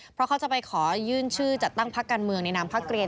เพราะเขาจะไปขอยื่นชื่อจัดตั้งพักการเมืองในนามพักเรียน